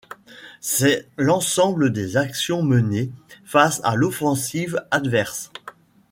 C'est l'ensemble des actions menées face à l'offensive adverse.